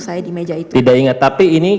saya di meja itu tidak ingat tapi ini